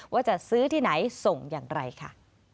ว่าจะซื้อที่ไหนส่งอย่างไรค่ะ